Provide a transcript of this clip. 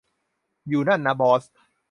อยู่นั่นนะบอส